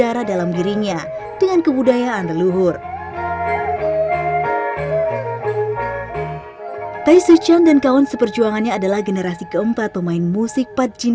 merekarm bertindak kencang untuk memperbaiki ruang suaminya dalam jenis iencara keselamatan